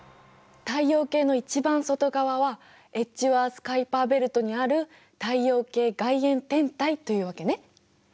太陽系の一番外側はエッジワース・カイパーベルトにある太陽系外縁天体というわけね。